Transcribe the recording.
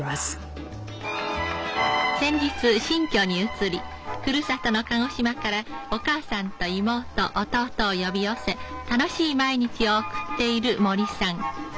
先日新居に移りふるさとの鹿児島からお母さんと妹弟を呼び寄せ楽しい毎日を送っている森さん。